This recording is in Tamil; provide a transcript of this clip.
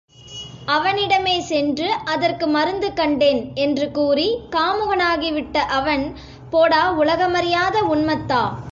அவனிடமே சென்று, அதற்கு மருந்து கண்டேன்! என்று கூறி, காமுகனாகி விட்ட அவன், போடா உலகமறியாத உன்மத்தா!